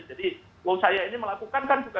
jadi kalau saya ini melakukan kan juga